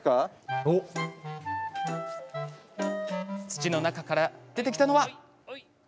土の中から出てきたのは。